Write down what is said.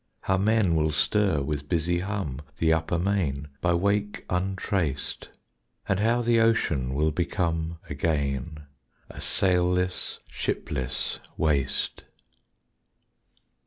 How men will stir with busy hum The upper main, by wake untraced, And how the ocean will become Again a sailless, shipless waste.